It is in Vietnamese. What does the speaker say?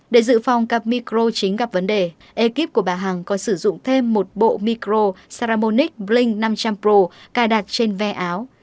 để dự phòng cặp micro chính gặp vấn đề ekip của bà hằng còn sử dụng thêm một bộ micro saramonic blink năm trăm linh pro cài đặt trên ve áo